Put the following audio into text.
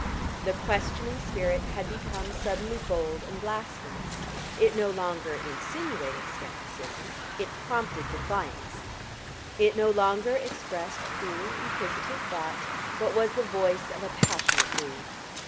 The questioning spirit had become suddenly bold and blasphemous; it no longer insinuated scepticism it prompted defiance; it no longer expressed cool, inquisitive thought, but was the voice of a passionate mood.